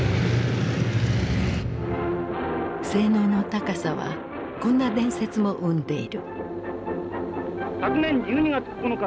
性能の高さはこんな伝説も生んでいる。